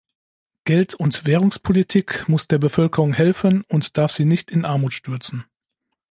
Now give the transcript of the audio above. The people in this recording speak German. Geld- und Währungspolitik muss der Bevölkerung helfen und darf sie nicht in Armut stürzen.